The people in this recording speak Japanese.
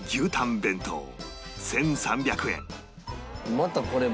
またこれも。